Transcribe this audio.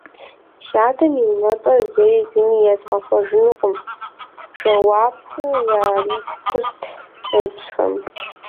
- Си адэм и унэцӀэр зэи зыми езгъэхъуэжынукъым, – жэуапу яритырт къеупщӀхэм.